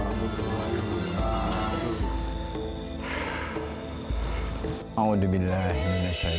jangan lupa subscribe like share dan share